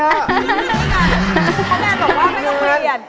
คุณแมนบอกว่าไม่ต้องเปลี่ยน